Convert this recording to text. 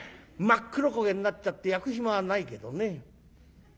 真っ黒焦げになっちゃって焼く暇はないけどね。